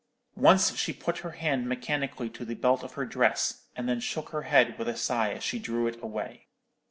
Once she put her hand mechanically to the belt of her dress, and then shook her head with a sigh as she drew it away.